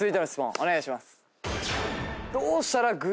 お願いします。